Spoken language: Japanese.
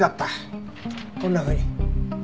こんなふうに。